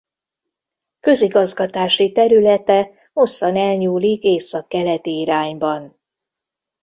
Közigazgatási területe hosszan elnyúlik északkeleti irányban.